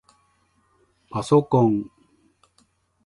パソコン